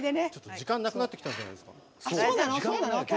時間なくなってきたんじゃないですか。